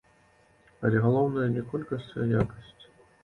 Але галоўнае не колькасць, а якасць.